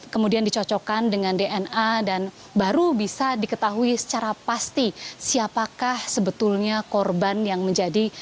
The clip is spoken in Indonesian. kemudian dicocokkan dengan dna dan baru bisa diketahui secara pasti siapakah sebetulnya korban yang menjadi